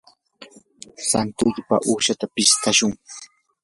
santuykipaq uushata pishtakushun.